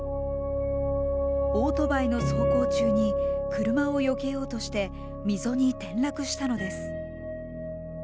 オートバイの走行中に車をよけようとして溝に転落したのです。